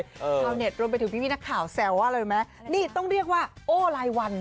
ชาวเน็ตรวมไปถึงพี่นักข่าวแซวว่าอะไรรู้ไหมนี่ต้องเรียกว่าโอ้รายวัน